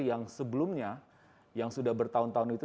yang sebelumnya yang sudah bertahun tahun itu